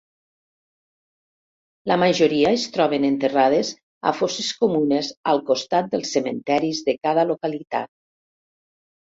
La majoria es troben enterrades a fosses comunes al costat dels cementeris de cada localitat.